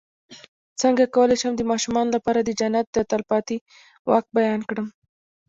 څنګه کولی شم د ماشومانو لپاره د جنت د تل پاتې واک بیان کړم